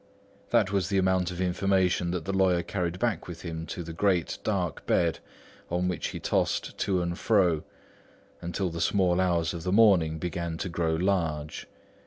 That was the amount of information that the lawyer carried back with him to the great, dark bed on which he tossed to and fro, until the small hours of the morning began to grow large.